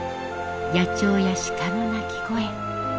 野鳥や鹿の鳴き声。